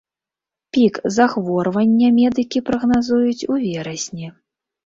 Пік захворвання медыкі прагназуюць у верасні.